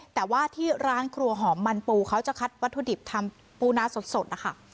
แต่ว่าที่ร้านครัวหอมมันปูเขาจะคัดวัตถุดิบทำปูนาสดนะคะ